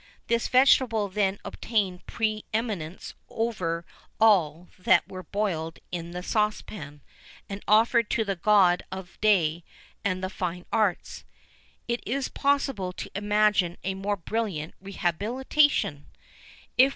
This vegetable then obtained preeminence over all that were boiled in the saucepan, and offered to the God of Day and the Fine Arts.[VIII 8] Is it possible to imagine a more brilliant rehabilitation?